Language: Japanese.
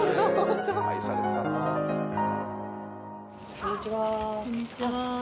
こんにちは。